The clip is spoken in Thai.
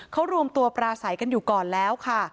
เขารวมตัวปราศัยกันอยู่ก่อนแล้วค่ะ